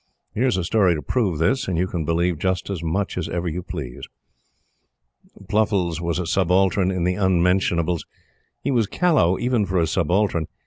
Here is a story to prove this; and you can believe just as much as ever you please. Pluffles was a subaltern in the "Unmentionables." He was callow, even for a subaltern.